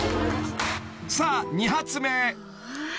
［さあ２発目］